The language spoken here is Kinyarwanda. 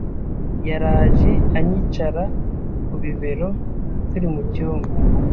yaraje anyicara kubibero turi mucyumba